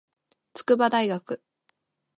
筑波大学